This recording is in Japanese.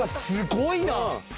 すごいな！